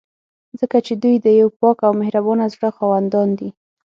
ځکه چې دوی د یو پاک او مهربانه زړه خاوندان دي.